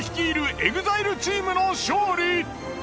ＥＸＩＬＥチームの勝利。